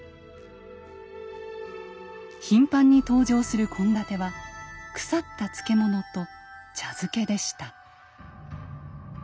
頻繁に登場する献立は「腐った漬物と茶漬け」でした。